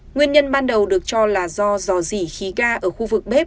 nguyên nhân ban đầu được cho là do giò rỉ khí ga ở khu vực bếp